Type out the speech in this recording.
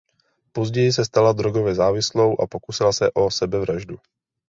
Později se stala drogově závislou a pokusila se o sebevraždu.